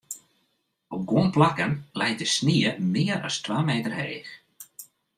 Op guon plakken leit de snie mear as twa meter heech.